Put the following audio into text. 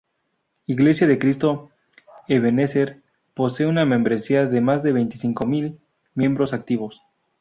Iglesia de Cristo Ebenezer posee una membresía de más de veinticinco mil miembros activos.